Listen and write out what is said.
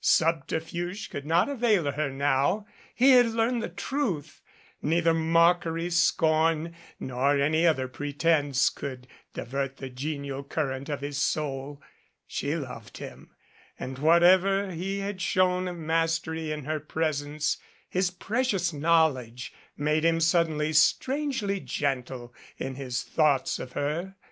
Subterfuge could not avail her now. He had learned the truth. Neither mock ery, scorn nor any other pretence could divert the genial current of his soul. She loved him. And, whatever he had shown of mastery in her presence, his precious knowl edge made him suddenly strangely gentle in his thoughts of her.